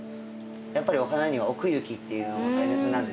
やっぱりお花には奥行きっていうのが大切なんでですね